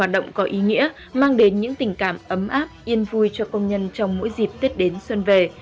hoạt động có ý nghĩa mang đến những tình cảm ấm áp yên vui cho công nhân trong mỗi dịp tết đến xuân về